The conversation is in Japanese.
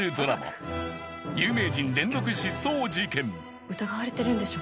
今夜は疑われてるんでしょ？